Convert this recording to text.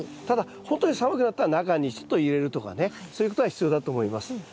ただほんとに寒くなったら中にちょっと入れるとかねそういうことは必要だと思います。